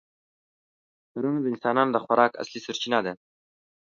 کرنه د انسانانو د خوراک اصلي سرچینه ده.